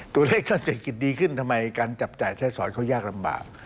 ตัวเลขการเศรษฐกิจดีขึ้นทำไมการจับจ่ายใช้สอนเขายากลำบาก